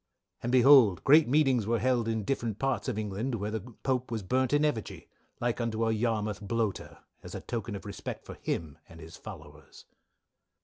"And behold great meetings were held in different parts of England where the Pope was burnt in effigy, like unto a Yarmouth Bloater, as a token of respect for him and his followers.